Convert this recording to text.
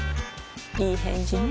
いい返事ね